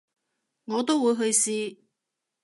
我都會去試